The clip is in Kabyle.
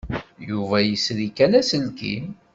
Yuba yesri kan aselkim.